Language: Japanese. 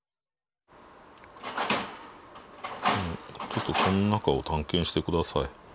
ちょっとこの中を探検して下さい。